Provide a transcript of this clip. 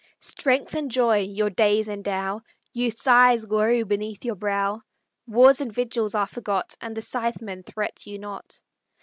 Strength and joy your days endow, Youth's eyes glow beneath your brow; Wars and vigils are forgot, And the Scytheman threats you not.